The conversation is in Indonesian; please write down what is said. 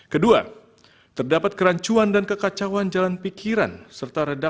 kedua terdapat kerancuan dan kekacauan jalan pikirnya